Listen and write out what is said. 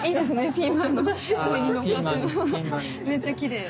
ピーマンの上にのっかってるのめっちゃきれい。